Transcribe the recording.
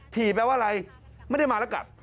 แปลว่าอะไรไม่ได้มาแล้วกัด